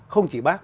không chỉ bác